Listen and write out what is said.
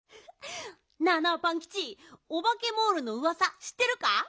なあなあパンキチオバケモールのうわさしってるか？